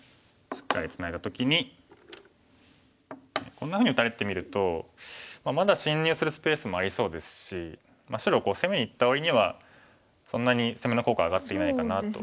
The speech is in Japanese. しっかりツナいだ時にこんなふうに打たれてみるとまだ侵入するスペースもありそうですし白を攻めにいったわりにはそんなに攻めの効果は上がっていないかなと。